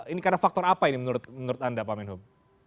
ini karena faktor apa ini menurut anda pak menhub